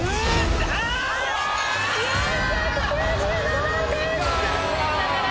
４９７点。